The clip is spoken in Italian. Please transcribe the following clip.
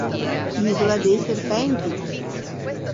Isola dei Serpenti